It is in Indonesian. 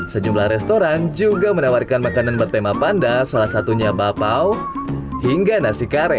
sejumlah restoran juga menawarkan makanan bertema panda salah satunya bapau hingga nasi kare